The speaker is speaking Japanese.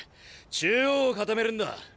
中央を固めるんだ。